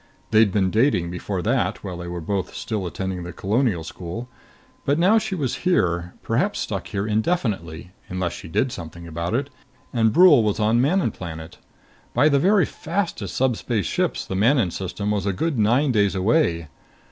They'd been dating before that, while they were both still attending the Colonial School. But now she was here, perhaps stuck here indefinitely unless she did something about it and Brule was on Manon Planet. By the very fastest subspace ships the Manon System was a good nine days away.